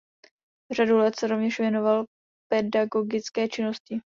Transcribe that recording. Řadu let se rovněž věnoval pedagogické činnosti.